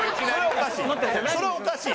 それはおかしい。